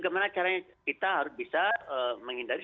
bagaimana caranya kita harus bisa menghindari